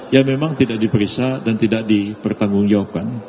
ya memang tidak diperiksa dan tidak dipertanggungjawabkan